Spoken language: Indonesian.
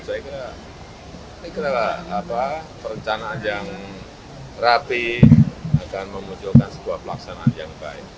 saya kira perencanaan yang rapi akan memunculkan sebuah pelaksanaan yang baik